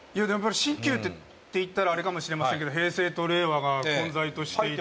新旧って言ったらあれかもしれませんけど平成と令和が混在としていて。